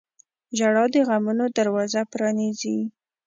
• ژړا د غمونو دروازه پرانیزي.